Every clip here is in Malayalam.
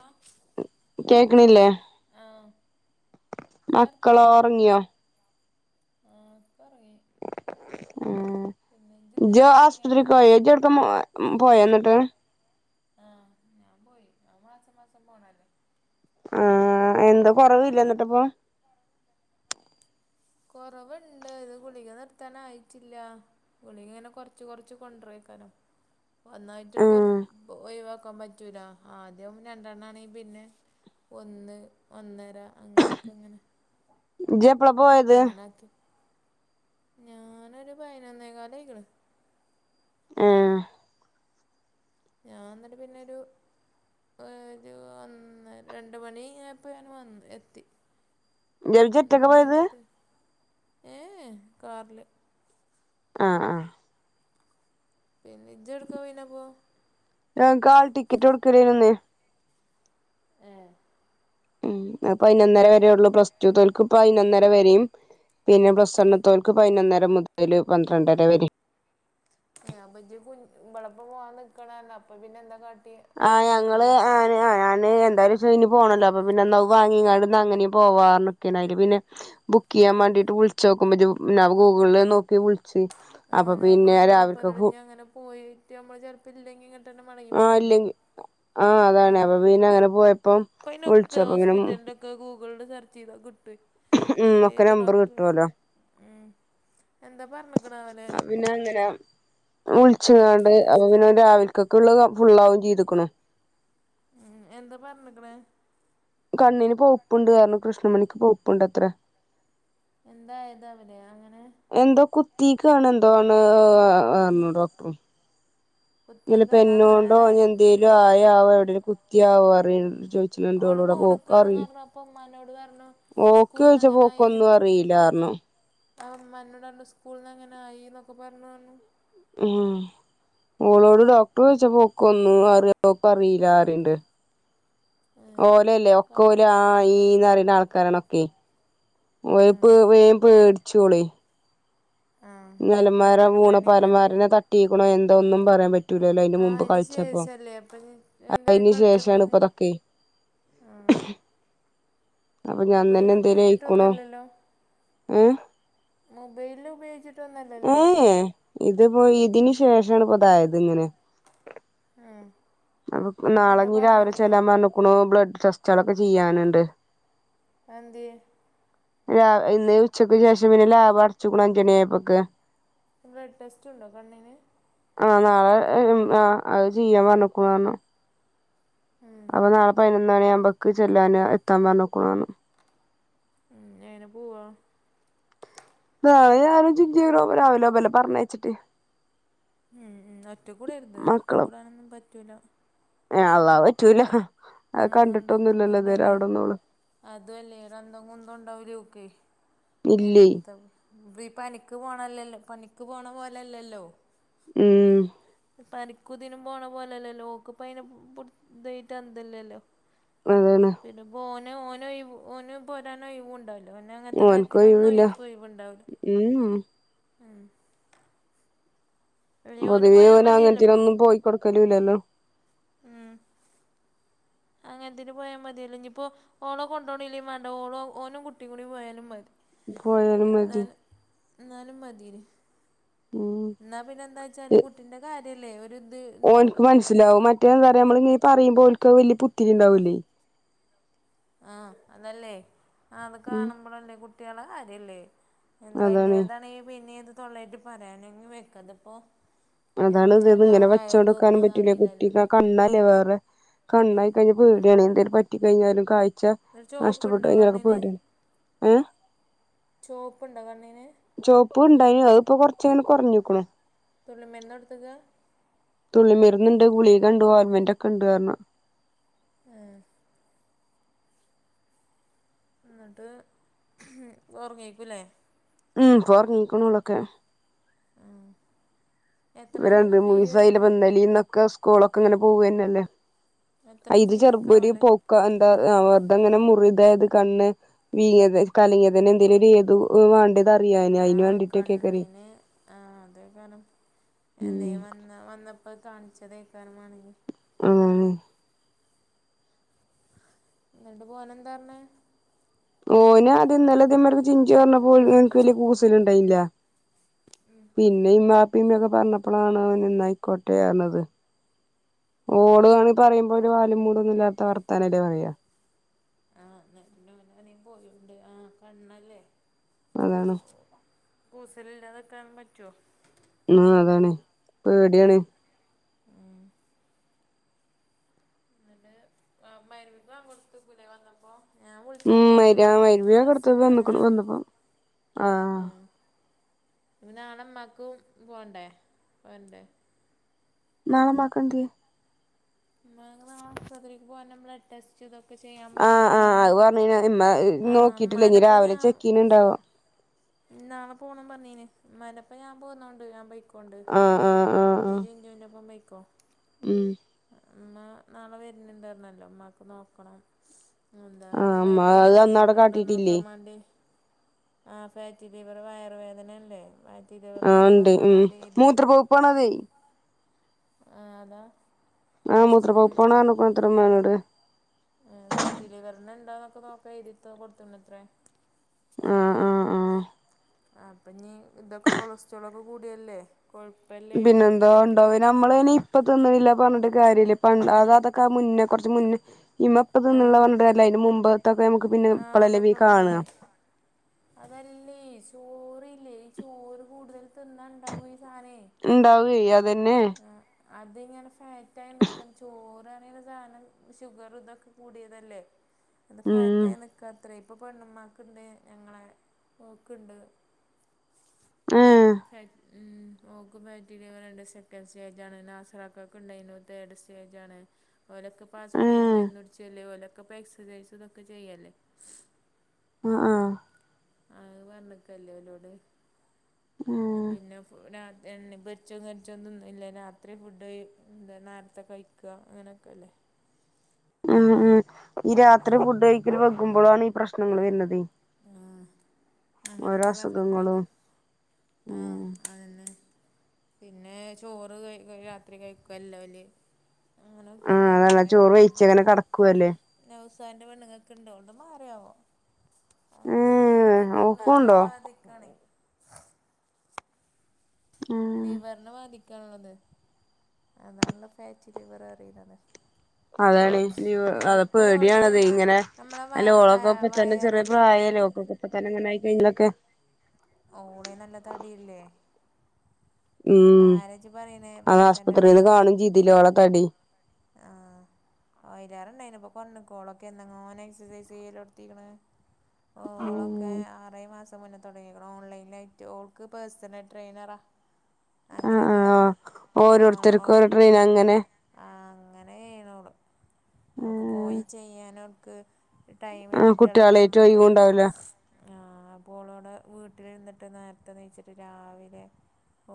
ഹലോ കേക്ക്ണില്ലേ ഏഹ് മക്കളോ ഒറങ്ങിയ ഏഹ് ഒക്കെ ഒറങ്ങി ആഹ് പിന്നെ ഇന്ന് ഇജ്ജ് എവ്ട്ക്കാ പോയിനെ ആസ്പത്രിക്ക എജ്ജ് അടക്കാം വ പോയോ എന്നിട്ട് ആഹ് ഞാൻ പോയി ഞാൻ മാസം മാസം പോണല്ലേ ആഹ് എന്താ കൊറവില്ലേ എന്നിട്ടിപ്പൊ കൊറവുണ്ട് ഇത് ഗുളിക നിർത്താൻ ആയിട്ടില്ല ഗുളിക ഇങ്ങനെ കൊറച്ച് കൊറച്ച് കൊണ്ട്റിക്കനം ഒന്നായിട്ടൊട് ആ കൊറച് ഒഴിവാക്കാൻ പറ്റൂല ആദ്യം രണ്ടെണ്ണം ആണേ പിന്നെ ഒന്ന് ഒന്നര അങ്ങനൊക്കെ ഇങ്ങനെ ഇജ്ജ് എപ്പളാ പോയെ അങ്ങനാക്കി ഞാനൊര് പൈനൊന്നേകാലയ്ക്ക്ണ് ആഹ് ഞാൻ ന്ന്ട്ട് പിന്നൊരു ഒരു ഒന്ന്, രണ്ട് മണി ആയപ്പം ഞാന് വന്ന് എത്തി. ഇജ് രണ്ട ഒറ്റക്കാ മണി പോയത് ആയപ്പത്തെ ഏഹ് കാർല് ആഹ് ആഹ് പിന്നെ ഇജ്ജ് എഒട്ക്ക പിന്നെ പ്പോ? ഞങ്ങക്ക് ആൾ ടിക്കറ്റ് കൊടുക്കലേനുന്ന്. ഏഹ് ഉം അ പൈനൊന്നര വരേ ഉള്ളൂ പ്ലസ് ടു തോൽക്കും പൈനൊന്നര വരെയും പിന്നെ പ്ലസ് വണ്ണ്ത്തോൽ ക്ക് പൈനൊന്നര മുതല് പന്ത്രണ്ടര വരെ ഏഹ് അപ്പം ഇജ്ജ് കുഞ് ഇമ്പളപ്പം പോവാൻ നിക്കണാര്ന്ന് അപ്പം പിന്നെ എന്താ കാട് ആഹ് ഞങ്ങള് ആന് ആഹ് ഞാ ന് എന്തായാലും ഉച്ച കഴിഞ്ഞ് പോണല്ലോ അപ്പം പിന്നെ എന്നാവും വാങ്ങീങ്ങാണ്ട്ന്ന് അങ്ങനെയും പോവാന്ന് ഒക്കെനയില് പിന്നെ ബുക്കെയ്യാൻ മാണ്ടീട്ട് വിളിച്ചോക്കുമ്പം ഇജ്ജ് പിന്ന ഗൂഗാള്ല് നോക്കി വിൾ ച്ച് ആഹ് ഞാൻ പർഞ്ഞു അപ്പം എന്നോട് ഇഞി അങ്ങനെ പോയിട്ട് നമ്മള് ചെൽപ്പം ഇല്ലെങ്കി ഇങ്ങ്ട്ട് തന്നെ മടങ്ങി ആഹ് പോരണ്ടെ. ഇല്ലെങ്കി ആഹ് അതാണ് അപ്പം പിന്നെ അങ്ങനെ പോയപ്പം ഇപ്പയിന്ന വിളിച്ചു ഒക്കെ അപ്പൊ പിന്നെ ഹോസ്പിറ്റൽൻ്റെക്കെ ഗൂഗ്ള്ല് സർച്ച് ചെയ്താ കിട്ടോഹ്. ഉം ഒക്കെ ഏത് നമ്പർ ഡോക്ട്റ് കിട്ടുവല്ലോ ഉം എന്താ പർണ്? ആഹ് പിന്നെ അങ്ങന വ്ൾച്ച്ങ്ങാണ്ട് അപ്പം പിന്നെ ഓൻ രാവിൽക്കൊക്കെ ള്ളത് ഫുള്ളാവും ചെയ്ത്ക്ക്ണു. ഉം എന്താ പർഞ്ഞ്ക്ക്ണേ? കണ്ണ്ന് പൗപ്പ്ണ്ട് ർഞ്ഞ് കൃഷ്ണമണിക്ക് പൗപ്പ്ണ്ട് അത്രേ. എന്തായതാവലേ അങ്ങനെ? എന്തോ കുത്തിക്കാണ് എന്തോണ് ഡോക്ടറും. കുത്തിക്കാ ഇലപ്പേ അല്ലാതെ പെന്നോണ്ടോ വേറെ ഞ്ഞ് എന്തേലും ആയാവോ എവിടെ കുത്തിയാവോ അറി ചോ ഓള് മൂണുക്കാണ് ന്നർഞ്ഞ അപ്പൊ ഉമ്മാനോട് പർഞ്ഞു. ഓക്ക് വ്ള്ച്ചപ്പം ഓക്ക് ഒന്നും അറീല്ല ർഞ്ഞു. ആഹ് മ്മന്നടർഞ്ഞു സ്കൂള് ന്ന ങ്ങനെ ആയി ന്നൊക്കെ പർഞ്ഞു ർഞ്ഞു. ഹ് ഹും ഓളോട് ഡോക്ടർ ഴ്ചപ്പം ഓക്ക് ഒന്നു അറി ഓക്ക് അറീല റിണ്ട്. ഉം ഓലെല്ലേ ക ഒക്കെ ഓല ആ ഈ ന്ന് റിണ ആൾക്കാരാണൊക്കെ. വേപ്പ് ഉം വേ പേട്ച്ചോളി ആഹ് നലന്മാര മറ്റോനെ പൂണ പേടിയേക്കാണ് പലമാരനെ തട്ടീക്ക്ണോ എന്തോന്നും പറയാൻ പ പറ്റൂലല്ലോ അയിൻ്റെ ആഹ് മുമ്പ് അയിന് കൾച്ചപ്പം ശേഷല്ലേ അപ്പൊ ഇനി അ എന്തേ അയിന് ശേഷാണ് കളിച്ചപ്പന്നെ ഇപ്പതൊക്കെ. ആഹ് അപ്പൊ ഞാൻ മൊബൈൽ തന്നെ എന്തേലും ആയിക്കണോ ഉപയോഗിച്ചിട്ടൊന്നല്ലല്ലോ? ഏ മൊബൈൽ ഉപയോഗിച്ച് ഹേ യേ ഇത്പ്പോ ഇതിന് ഉം ശേഷാണ് പതായത് ഇങ്ങനെ. ആഹ് അപ്പോ നാളെ ഞ് രാവിലെ ചെല്ലാൻ പർഞ്ഞ്ക്ക്ണു ബ്ലഡ് ടെസ്റ്റളൊക്കെ ചെയ്യാന്ണ്ട്. അഹന്തേ? ലാ ഇന്ന് ഉച്ചക്ക് ശേഷം പിന്നെ ലാബ് അട്ച്ച്ക്ക്ണു അഞ്ചണി ആയപ്പൊക്ക്. ബ്ലഡ് ടെസ്റ്ററ്റ് ണ്ടോ കണ്ണിന്? ആഹ് നാളെ ഏം ആഹ് അത് ചെയ്യാൻ പർഞ്ഞ് ക്ക്ണു ർഞ്ഞു. അപ്പൊ നാളെ പയിനൊന്ന് മണി ആവുമ്പക്ക് ചെല്ലാന് എത്താ പർഞ്ഞ് ക്ക്ണു ർഞ്ഞു. ഉം എങ്ങനെ പോവാ? നാളെ ഞാനും ചിഞ്ചു [unintelligible] പർഞ്ഞേച്ച്ട്ട് ഉം ഉം ഒറ്റ കുടെര്ത് ഒറ്റ കൂടാനൊന്നും പറ്റൂല. യാ അള്ളാ പറ്റൂല. അത് ആഹ് അന്തോ കണ്ടിട്ടൊന്നുംല്ലല്ലോ ഇതുവരെ കുന്തല്ലാന്നേ അവിടൊന്നും ഓള് അതു അല്ലേ ഒരു അന്തോ കുന്തോ ണ്ടാവുലേ ഓക്കേ. ഇല്ലേ എന്ത വ് പനിക്ക് പോണല്ലല്ലോ പനിക്ക് പോണ പോലെല്ലല്ലോ ഉം പനിക്കുതിനിനും പോണ പോലല്ലോ ഓൾക്ക് ഇപ്പ അയിൻ പു അത്നല്ലല്ലൊ അതാണ് പിന്നെപ്പോ ഓന് ഓന ഓന് പോരാനോ ഒഴിവ ണ്ടാവു പിന്നെ അങ്ങനത്തെ ഓൻക്ക് കാര്യത്തിനൊന്നും ഒഴിവില്ല ഓൻ ഒഴിവ്ണ്ടാവ് ഉം ല ഓന് പോയാ പൊതുവേഓൻ മതിയല്ലോ അങ്ങനത്തേന് ഇപ്പൊ ഒന്നും പോയി കൊടുക്കലുല്ലല്ലോ ഉം അങ്ങനത്തിന് പോയാ മതിയല്ലോ ഇഞ്ഞിപ്പൊ ഓളെ കൊണ്ടോണില്ലേ മാണ്ട ഓളോ ഓനും കുട്ടി കൂടി പോയാലും മതി പോയലു മതി ന്നാലും മതിനി ഉം ന്നാ പിന്നെ എന്താ വെച്ചാല് കുട്ടിന്റെ കാര്യല്ലേ ഒരിത് ഓൻക്ക് മനസ്സിലാവും മറ്റെന്താ പറയാ നമ്മളി ഇങ്ങനീ പറയുമ്പോൾ ഒല്ക്ക് വല്യ പുത്തിരി ഉണ്ടാവൂല്ലേ ആഹ് അതല്ലേ ആ അത് ഉം കാണുമ്പോളല്ലേ കുട്ടികളെ കാര്യല്ലേ എന്താ അതാണ് വലിയതാണങ്കി പിന്നെ ഇത് തൊള്ളയിട്ട് പറയാനികി വെയ്ക അതാണ് ഇത് ഇങ്ങനെ വച്ചൊണ്ട് ക്കാനും പറ്റൂലേ അറിയില്ലല്ലോ കുട്ടിക്ക കണ്ണല്ലേ വേറെ കണ്ണായി കഴിഞ്ഞ ഉം. പേടിയാണെ എന്തേലും പറ്റി കഴിഞ്ഞാലും ക ഴ്ച്ച ഒരു നഷ്ടപ്പെട്ട് ചോപ്പുണ്ടോ കഴിഞ്ഞ കണ്ണിന് പേടിയ ഏ പൗപ്പ്ണ്ടോ കണ്ണിന് ചോപ്പ് ഉണ്ടായിനീ അത് ഇപ്പൊ കൊറച്ചെങ്ങനെ കൊറഞ്ഞ്ക്ക്ണ് തുള്ളി മരുന്ന് കൊടുത്തിക്ക തുള്ളിമരുന്ന് ഉണ്ട് ഗുളിക ഉണ്ട് ഓൾ മൈൻഡ് ഒക്കെ ഉണ്ട് എന്ന് പറഞ്ഞു. ഹേ ന്നട്ട് ഒറങ്ങിയേക്കുലെ ഉം പോ ഒർങ്ങിക്ക്ണളൊക്കെ ഉം. എത്ര ഇപ്പം അടക്കം രണ്ടും ഫീ മൂന്നും ദിവസയില്ലേ വരുന്നത് ഇന്നലെയും ഇന്നൊക്കെ സ്കൂളൊക്കെ പോവാന്നല്ലേ എത്ര ഇത് ഫീ ചെറുപ്പ ഒക്കെ ഒരു ആവല്ലേ പൊക്ക എന്താ വെറുത ഇങ്ങനെ മുറി ഇതായത് കണ്ണ് വീങ്ങയത് കളിങ്ങതെ എന്തേലും ഒരു ഏ വാണ്ടത് ആഹ് കണ്ണിന് ആഹ് അതേക്കാരം ഉം എന്തെങ്കിലും വ വന്നപ്പോ കാണിച്ചതേക്കാരം മാണെങ്കിൽ ആഹ് ന്നട്ട് ഓലെന്ത പറഞ്ഞേ ഓന് അദ്യം ഇന്നലെ ഇതെ മാത് രിക്ക് ചിഞ്ചു പറഞ്ഞപ്പോ ഓനക്ക് വല്യയ കൂസൽ ഉണ്ടായിര്ന്നില്ല ഉം പിന്നെ വാപ്പയും ഉമ്മയും പറഞ്ഞപ്പളാണ് ഓൻ ആയിക്കോട്ടെ ന്ന് പറഞ്ഞത് ആഹ് ഓൾ ആണങ്കി പറയുമ്പോ ഒരു വാലും മൂടൊന്നും ഇല്ലാത്ത വർത്തനല്ലേ പറയാ ആഹ് [unintelligible] ഓനാണങ്കി പോയിണ്ട് ആ കണ്ണല്ലേ അതാണ് കൂസല ഇല്ലാതിക്കാൻ പറ്റോ ആഹ് അതാണ് പേടിയാണ്. ന്നട്ട് മയിരിബ്ൻ്റ ബാങ്ക് കൊടുത്തക്കുലെ വന്നപ്പോൾ ഊം പറഞ്ഞു [unintelligible] ആഹ് നാളെ ഉമ്മാക്കും പോണ്ടേ പോണ്ടേ. നാളെ ഉമ്മാക്ക് എന്തേ ഉമ്മാക്ക് നാളെ ആശുപത്രിയിൽ പോവാൻ ബ്ലഡ് ടെസ്റ്റ്. ഇതൊക്കെ ചെയ്യാൻ ആഹ് പറഞ്ഞിരിക്കണമെന്ന് ആഹ് പറഞ്ഞു അത് പറഞ്ഞിനു ഉമ്മാന്റെ ഒപ്പം ഞാൻ ഞ്ഞ് ണ്ടാവോ നാളെ പൊണം പറഞ്ഞീനി ഇമ്മാൻ്റപ്പം ഞാൻ പൊന്നൊണ്ട് ഞാൻ പൊയിക്കൊണ്ട് ആഹ് ആഹ് ആഹ് ഇജ് ആഹ് ചിചുന്റെ അപം പോയിക്കോ ഉം ഉമ്മ നാളെ വരുന്നണ്ടരുന്നല്ലോ ഉമ്മാക്ക് നോക്കണം എന്താ ആഹ് ഫ അമ്മ അത് ഫാറ്റി അന്നവിടെ ലവർ ഉണ്ടോന്ന് കാട്ടിട്ടില്ലേ നോക്കാൻ വേണ്ടി. ആ ഫാറ്റി ലിവർ വയറുവേദനയല്ലേ ഫാറ്റി ലിവർ ഉണ്ടോന്ന് നോക്കാൻ വേണ്ടി തി ഇപണത് ആഹ് അതാ ആ ടെസ്റ്റ് മൂത്രൂപ്പോവു പോണ് ആണ് പറഞ്ഞിരിക്ണല ഇമ്മഎന്നോട്. കായറ്റി ലിവരണ്ണ് എന്താന്നൊക്കെ നോക്കാ എഴുതി കൊടുത്തത്രേ. ആഹ് ആഹ് ആഹ് അപ്പൊ നീ ഇതൊക്കെ കൊളസ്ട്രോളൊക്കെ കൂടിയല്ലേ കോഴു പിന്നെ എന്തോ ഉണ്ടോ പിന്ന നമ്മള് ഇനി ഇപ്പതൊന്നും ഇല്ല പറഞ്ഞിട്ട് കാര്യമില്ല പ അത അതൊക്കെ മുന്നേ കുറച്ച് മുന്നേ ഇമപ്പ നിന്നുള്ള പറഞ്ഞിണ്ട്ല്ല അതിന് മുമ്പ്പതോ ആഹ അതൊക്കെ ഉണ്ടാവേ അതല്ലേ ചോറല്ലേ ചോറ് കൂടുതൽ തിന്നാുണ്ടാവൂ സാനേ ഉണ്ടാവയ്യ അതന്നെ അത്ങ്ങെ ഫാറ്റ് ആയി നിൽക്കണ് ചോറ് സധ ഷുഗർ ഇതൊക്കെ കൂടിയതല്ലേ ഉം ഇപ്പ അത്ര ഇപ്പ പെണ്ണമാക്കുണ്ട് ഞങ്ങളെ പോക്കുണ്ട് ഏഹ് [inaudible] ഉം ഓക്ക് ബാക്റ്റീരിയണ്ട് സെക്കൻഡ് സ്റ്റേജ് ആണ് നാസറാക്ക ഒക്കെ ഉണ്ടായിരുന്നു തേർഡ് സ്റ്റേജ് ആണ് ഓലക്ക ഏഹ് [unintelligible] ആ ആ ആഹ പറണക്കല്ലേലോട് ഏഹ് പിന്നെ രാ എണ്ണേ പൊരിച്ചോം കരിച്ചോൊന്നുംന്ന ഇല്ല രാത്രി ഫുഡ് നേരത്തെ കഴ ക്കുക അങ്ങനെയൊക്കെ അല്ലേ ഉം ഉം ഈ രാത്രി ഫുഡ് കഴിക്കല് വെക്കുമ്പോഴാണ് ഈ പ്രശ്നങ്ങൾ വരുന്നത് ആഹ ഓരോ അങ്ങനെയൊക്കെ പറഞ്ഞിക്കാണ് അസുഖങ്ങളും ആഹ ഉം അതന്നെ പിന്നെ ചോറ് ക രാത്രി കഴിക്കല്ലല് ആഹ അതല്ല ചോറ് വഴിച്ച ഓനിക്കൊക്കെ അങ്ങനെ കടക്കുവല്ലേ നൗസാന്റെ പെണ്ണ്ങ്ങൾക്കണ്ട് അവൾടെ മാറിയാവോ ഏഹ് അതെലിപറഞ്ഞ ഓക്കുണ്ടോ [unintelligible] ഉം ലിവറിനെ ബാധിക്കാനുള്ളത് അതാണല്ലോ ഫാറ്റ് ലിവർ അറിയുന്നത് അതാണ് അത പേടിയാണത് നമ്മളെ ഇങ്ങനെ നമ്മളെ വ വ ലോളൊക്കെ തന്നെ ചെറിയ വയറിലില്ലേ പ്രായ ലോക്കെ ഇപ്പ തനങ്ങന ആയി കഴഞ്ഞങ്ങളൊക്കെ ഓള നല്ലതടില്ലേ ഉം ഇജ്ജ് പറയണേ അത് ജോസേട്ടൻ ആശ്പത്രിയിൽന്ന് കാണും ചെയ്തില്ല അവളെ തടി ആ ഓ അല്ലാറുണ്ടായി നിപ്പൊ കൊ ക്കോളൊക്ക എന്തങ്ങ ന എ സൈസ് ചെയ്യാലോടുത്തി ഓ ഓളൊക്കെ ഉം ആറേ മാസം മുന്നേ തുടങ്ങിക്കണം ഓൺലൈനായിട്ട് ഓൾക്ക് പേഴ്സണൽ ട്രെയിനറാ അങ്ങനെ ചെയ്യണത് ആ ഓ പിഅന അങ്ങനെ ആ അങ്ങനെ ചെയണോള അവൾക്ക് പോയി ചെയ്യാനടുക്ക് ടൈം ഈ ആഹ് കുട്ടികളായിട്ട കുട്ടികളായിട്ട് ആകുമ്പോക്കെ അതെ ഒഴിവുണ്ടാവൂല ആഹ് പോളോവിടെ വീട്ടിൽ നിന്നിട്ട് നേരത്തെ നീയിച്ചിട്ട് രാവിലെ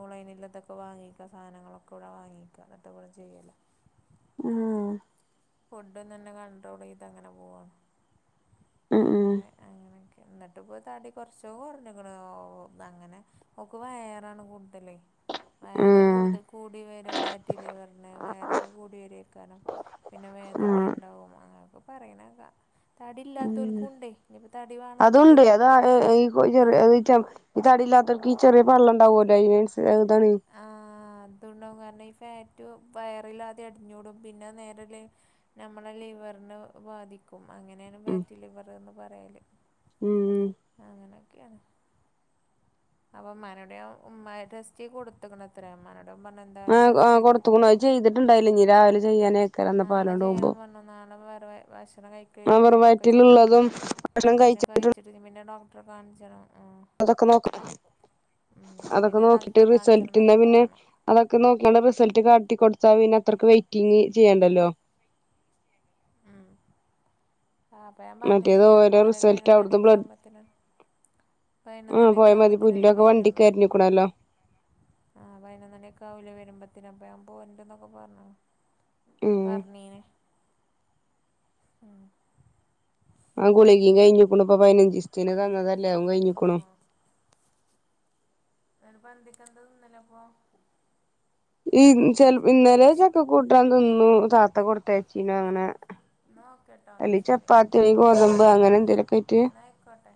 ഓൺലൈൻ ഇല്ലാത്തൊക്കെ വാങ്ങിക്കാ സാധനങ്ങളൊക്കെ ഇവിടെ വാങ്ങിക്കുക എന്നിട്ട് കു ചെയ്യല ഉം ഫുഡന്ന് തന്നെ കണ്ട്രോള് ചെയ്ത്ങ്ങനെ പോവാണ് ഉം അങ്ങനെ അങ്ങനെയൊക്കെ എന്നിട്ട്പ്പോൾ തടി കുറച്ച് കുറഞ്ഞക്കനു അങ്ങനെ ഓക്ക് വയറാണ് കൂടുതലെയ് വയറ് ഉം കൂടുത കൂടി വരും, ഫാറ്റിലിവറിന് വയറൊക്കെ കൂടി വരേക്കാരം പിന്നെ ഉം വേദനയുണ്ടാവും, അങ്ങനൊക്കെ പറയ്ണേക്ക ഉം തടില്ലാതോൽക്കും ണ്ടേയ്. നിപ്പോ തടി വേണെന്നില്ലേ അതുണ്ട് അതാ ഈ ചെറിയ ആഹ് ഈ തടിയില്ലാത്തോൽക്കീ ചെറിയ പള്ളണ്ടാവല്ലോ, അയ്നൻസ അഹ്, താണേയ് ആഹ് അതുണ്ടാവും കാരണം ഈ ഫാറ്റ് വയറിലാദ്യം അടിഞ്ഞൂടും. പിന്നെ നേര ലെ ഞമ്മളെ ലിവർന് ബാധി ക്കും അങ്ങനേണ് ഉം ഫാറ്റിലിവറ്ന്ന് പറയല്. ഉം അങ്ങനൊക്കെയാണ് അപ്പൊമാനോട് ഞാൻ ഉമ്മാടെസ്റ്റ് കൊടുത്ത്ക്ക്ണത്രേ മ്മാനോട് ന്റെ മ്മർഞ്ഞെന്തായാലും ആഹ് ടെസ്റ്റ് ആഹ് കൊടുത്തുക്കണു ചെയ്തോക്കിക്ക്ണു. അത് ചെയ്തിട്ടുണ്ടായില്ല ഇനി രാവിലെ ചെയ്യാനേക്കാരം എന്നാ നാളെ പാലോണ്ട് പോകുമ്പോ ചെയ്യണം പർഞ്ഞ നാളെ വേറെ ഭക്ഷണം ആഹ് കഴിക്ക്ണേന്റെ വെറും മുന്നൊക്കെ ചെയ്യണം. വയറ്റിലുള്ളതും ഭക്ഷണം പിന്നെ കഴിച്ച കഴി ചച്ചുരി പിന്നെ ഡോക്ടറെ കാൺച്ചണം ആഹ് അതൊക്കെ നോക്കും. അതൊക്കെ പിന്നെ നോക്കിട്ട് ഡോക്ടറെ കാണിച്ചണം റിസൾട്ടിന്ന് എന്നൊക്കെ പിന്നെ പറഞ്ഞു അതൊക്കെ നോക്യാണ്ട റിസൾട്ട് കാട്ടിക്കൊടുത്താ പിന്നത്രക്ക് വെയിറ്റിംഗ് ചെയ്യണ്ടല്ലോ ഉം ആഹ് അപ്പ ഞാൻ പർഞ്ഞീനി മറ്റേത് ഓരോ ഞാൻപോര, ഒരു റിസൾട്ട് അവിടുന്ന് ബ്ലഡ് പയ്നൊന്നണ്യൊക്കാവുമ്പത്തിന് ആഹ് പോയ പയ്നൊന്നണിയൊക്കാവു മതി മ്പോതിനല്ലേ പുല്ലൊക്കെ വണ്ടിക്ക് വെരൊള്ളു എറിഞ്ഞിക്കണല്ലോ ആഹ് പയ്നൊന്ന് മണിയൊക്കെ ആവുലെ വരുമ്പത്തന അപ്പ ഞാൻ പോണ്ടന്നൊക്കെ പറഞ്ഞോ ഉം പർണീനി ആ ഗുളിഗെം കഴിഞ്ഞിക്ക്ണു പ്പൊ പയിനഞ്ചിസ്തിന് തന്നതല്ലെ അഉം ഓ കയ്ഞ്ഞ്ക്കുണു ന്നട്ട്പ്പന്തിക്കെന്താ തിന്നലപ്പോ ഈ ചെൽ ഇന്നലെ ചക്ക കൂട്ടാൻ തിന്നു. താത്ത കൊടുത്തച്ചീനു അങ്ങനെ എന്നാ ഓക്കെട്ടോ എന്നാ അല്ലെ ശരി ചപ്പാത്തി അല്ലെ ഗോതമ്പ് അങ്ങനെന്തേലൊക്കെ ആയിട്ട് ന്നാ ഐക്കോട്ടെ